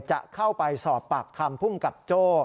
จะเข้าไปสอบปากคำภูมิกับโจ้